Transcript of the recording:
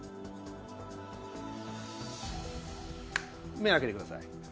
目開けてください。